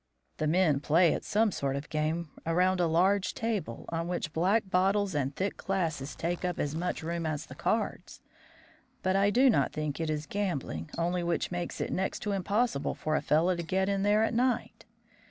The men play at some sort of game around a large table, on which black bottles and thick glasses take up as much room as the cards; but I do not think it is gambling only which makes it next to impossible for a fellow to get in there at night.